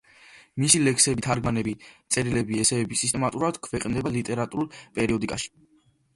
მისი ლექსები, თარგმანები, წერილები, ესეები სისტემატურად ქვეყნდება ლიტერატურულ პერიოდიკაში.